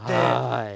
はい。